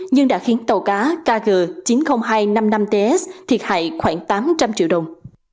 nhưng đã khiến tàu cá kg chín mươi nghìn hai trăm năm mươi năm ts thiệt hại khoảng tám trăm linh triệu đồng